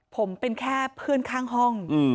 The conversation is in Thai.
ผมเป็นแค่เพื่อนข้างห้อง